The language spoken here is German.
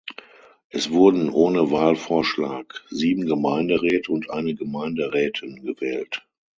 Es wurden, ohne Wahlvorschlag, sieben Gemeinderäte und eine Gemeinderätin gewählt.